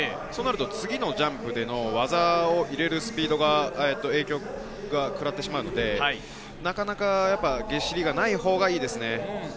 次のジャンプでの技を入れるスピードが影響を食らってしまうので、なかなかゲシりがないほうがいいですね。